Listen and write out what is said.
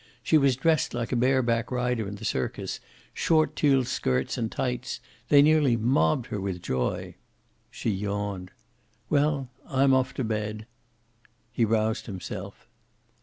She was dressed like a bare back rider in the circus, short tulle skirts and tights. They nearly mobbed her with joy." She yawned. "Well, I'm off to bed." He roused himself.